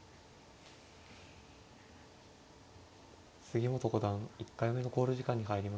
杉本五段１回目の考慮時間に入りました。